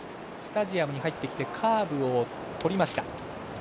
スタジアムに入ってきてカーブをとりました。